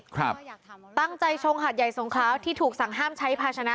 ครับตั้งใจชงหาดใหญ่สงคราวที่ถูกสั่งห้ามใช้ภาชนะ